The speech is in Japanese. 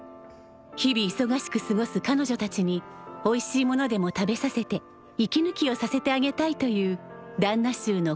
日々いそがしく過ごす彼女たちにおいしいものでも食べさせて息ぬきをさせてあげたいという旦那衆の心意気なのである。